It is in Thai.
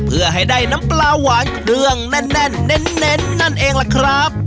เพื่อให้ได้น้ำปลาหวานเครื่องแน่นเน้นนั่นเองล่ะครับ